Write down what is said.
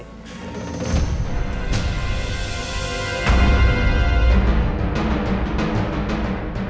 dia udah selesai